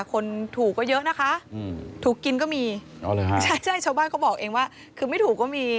คนถูกก็เยอะนะคะถูกกินก็มีใช่ชาวบ้านเขาบอกเองว่าคือไม่ถูกก็มี